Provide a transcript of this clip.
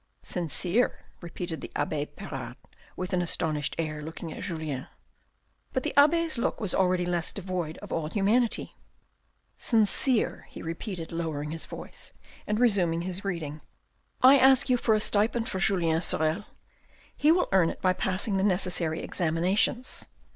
"Sincere," repeated the abbe Pirard with an astonished air, looking at Julien. But the abbe's look was already less devoid of all humanity. " Sincere," he repeated, lowering his voice, and resuming his reading :—" I ask you for a stipend for Julien Sorel. He will earn it by passing the necessary examinations.